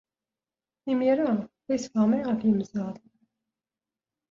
Imir-a, la yesleɣmay ɣef yimẓad.